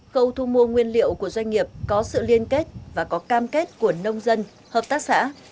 khâu thu mua nguyên liệu của doanh nghiệp có sự liên kết và có cam kết của nông dân hợp tác xã